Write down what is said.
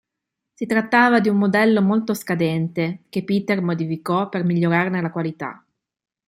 Si trattava di un modello molto scadente, che Peter modificò per migliorarne la qualità.